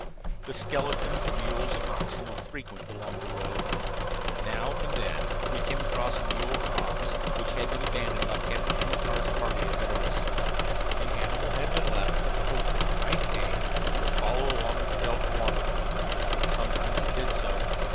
The skeletons of mules and oxen were frequent along the road. Now and then we came across a mule or ox which had been abandoned by Captain Amilcar's party, ahead of us. The animal had been left with the hope that when night came it would follow along the trail to water. Sometimes it did so.